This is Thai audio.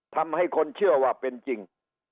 ทำให้คนเชื่อว่าเป็นจริง